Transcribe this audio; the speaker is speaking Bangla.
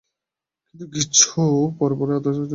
কিন্তু কিছু দিন পরই আমি আত্মচেতনায় ফিরে এলাম।